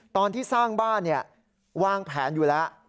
ตอนที่สร้างบ้านวางแผนอยู่แล้ว